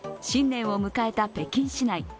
新年を迎えた北京市内。